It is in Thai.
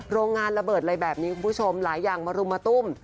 โรงงานระเบิดอะไรแบบนี้คุณผู้ชมหลายอย่างมารุมมาตุ้ม